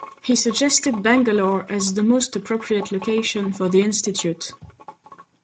He suggested Bangalore as the most appropriate location for the institute.